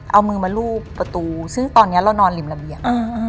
เอามือมารูปประตูซึ่งตอนนี้เรานอนริมระเบียง